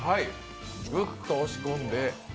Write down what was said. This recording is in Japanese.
グッと押し込んで。